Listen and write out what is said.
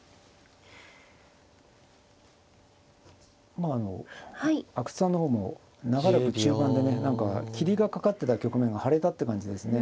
まああの阿久津さんの方も長らく中盤でね何か霧がかかってた局面が晴れたって感じですね。